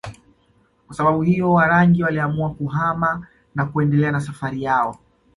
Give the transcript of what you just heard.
Kwa sababu hiyo Warangi waliamua kuhama na kuendelea na safari yao